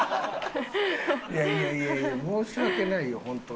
いやいやいやいや申し訳ないよ本当。